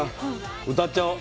歌っちゃおう。